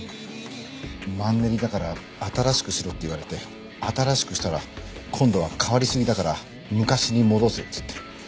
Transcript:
「マンネリだから新しくしろ」って言われて新しくしたら今度は「変わりすぎだから昔に戻せ」っつって。